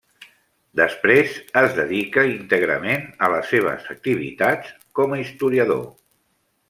Després es dedica íntegrament a les seves activitats com a historiador.